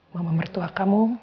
mama mertua kamu